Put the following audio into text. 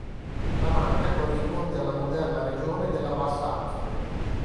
La marca corrisponde alla moderna regione della Bassa Austria.